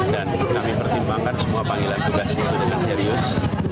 dan kami pertimbangkan semua panggilan tugas itu dengan serius